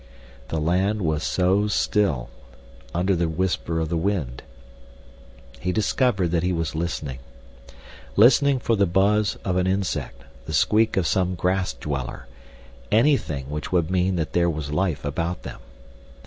The land was so still, under the whisper of the wind. He discovered that he was listening listening for the buzz of an insect, the squeak of some grass dweller, anything which would mean that there was life about them.